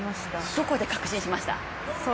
どこで確信しました？